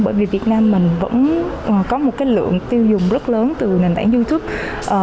bởi vì việt nam mình vẫn có một cái lượng tiêu dùng rất lớn từ nền tảng youtube